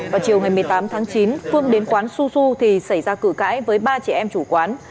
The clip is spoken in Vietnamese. vào chiều một mươi tám tháng chín phương đến quán xu xu thì xảy ra cử cãi với ba chị em chủ quán